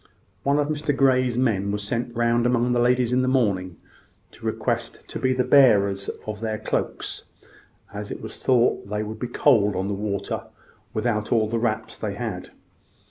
One of Mr Grey's men was sent round among the ladies in the morning, to request to be the bearer of their cloaks, as it was thought they would be cold on the water without all the wraps they had.